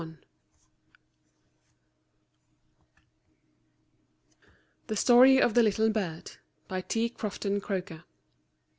] THE STORY OF THE LITTLE BIRD. T. CROFTON CROKER.